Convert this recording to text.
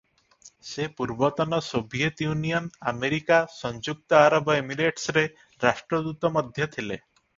ସେ ପୂର୍ବତନ Soviet Union, America, ସଂଯୁକ୍ତ ଆରବ ଏମିରେଟ୍ସରେ ରାଷ୍ଟ୍ରଦୂତ ମଧ୍ୟ ଥିଲେ ।